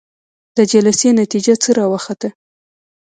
د جلسې نتيجه څه راوخته؟